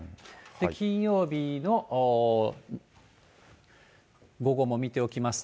金曜日の午後も見ておきますと。